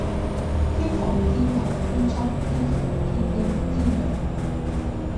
天蓬、天任、天衝、天輔、天英、天芮